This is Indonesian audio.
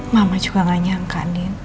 mama juga gak nyangka